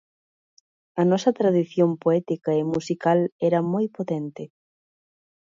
A nosa tradición poética e musical era moi potente.